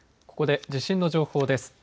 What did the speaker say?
ここで地震の情報です。